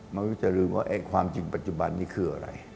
ไม่รู้จะลืมว่าความจริงปัจจุบันนี้คืออะไร